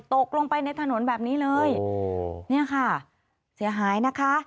ตกลงไปในถนนแบบนี้เลยโอ้โหเนี่ยค่ะเสียหายนะคะ